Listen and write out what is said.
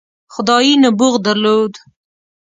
خدايي نبوغ درلود.